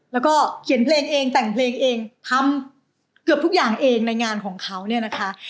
แล้วก็เขียนเพลงเองแต่งเพลงเองทำเกือบทุกอย่างเองในงานของเขาเนี่ยนะคะ